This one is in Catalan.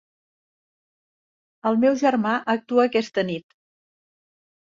El meu germà actua aquesta nit.